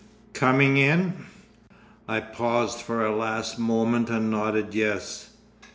"Coming in?" I paused for a last moment and nodded yes.